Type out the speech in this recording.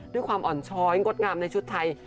ด้วยความอ่อนช้อยงดงามในชุดไทย